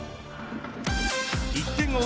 １点を追う